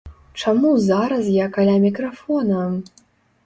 Чаму зараз я каля мікрафона?